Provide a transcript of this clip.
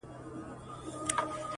شپه تاریکه ده نګاره چي رانه سې -